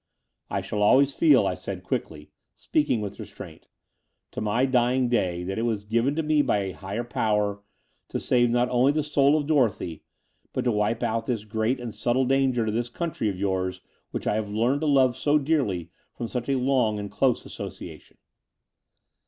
I shall always feel," I said quickly, speaking with restraint, "to my dying day that it was given to me by a Higher Power to save not only the soul of Dorothy, but to wipe out this great and subtle danger to this country of yours which I have learnt to love so dearly from such long and close association."